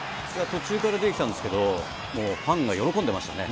途中から出てきたんですけど、ファンが喜んでましたね。